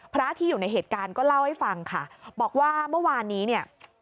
พระที่อยู่ในเหตุการณ์ก็เล่าให้ฟังค่ะบอกว่าเมื่อวานนี้เนี่ย